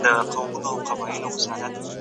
سياست پوهنه د ټولنې په پرمختګ کي فعاله برخه لري.